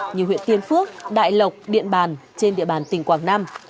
như huyện tiên phước đại lộc điện bàn trên địa bàn tỉnh quảng nam